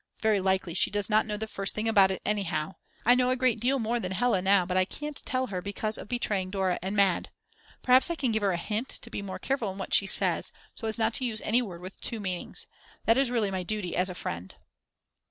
Very likely she does not know the first thing about it anyhow. I know a great deal more than Hella now, but I can't tell her because of betraying Dora and Mad. Perhaps I can give her a hint to be more careful in what she says, so as not to use any word with two meanings. That is really my duty as a friend.